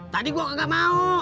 tadi gue gak mau